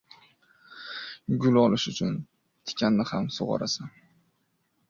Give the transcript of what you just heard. • Gul olish uchun tikanni ham sug‘orasan.